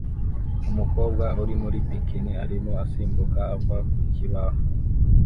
Umukobwa uri muri bikini arimo asimbuka ava ku kibaho